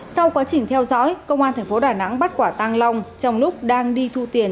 sau quá trình theo dõi công an tp đà nẵng bắt quả tăng long trong lúc đang đi thu tiền